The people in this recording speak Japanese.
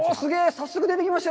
早速出てきました。